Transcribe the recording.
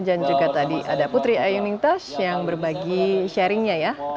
dan juga tadi ada putri ayu nintas yang berbagi sharingnya ya